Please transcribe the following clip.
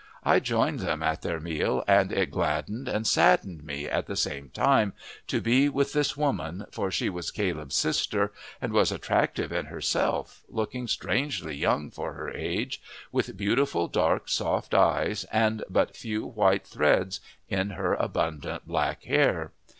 I joined them at their meal, and it gladdened and saddened me at the same time to be with this woman, for she was Caleb's sister, and was attractive in herself, looking strangely young for her age, with beautiful dark, soft eyes and but few white threads in her abundant black hair.